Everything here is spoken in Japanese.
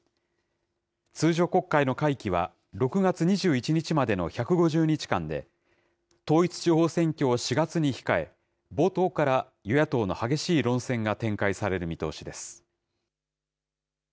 通常国会の会期は６月２１日までの１５０日間で、統一地方選挙を４月に控え、冒頭から与野党の激しい論戦が展開される見通しです。